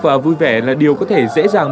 và vui vẻ là điều có thể dễ dàng